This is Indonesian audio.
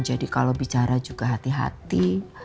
jadi kalau bicara juga hati hati